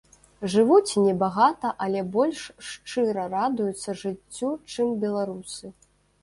Жывуць небагата, але больш шчыра радуюцца жыццю, чым беларусы.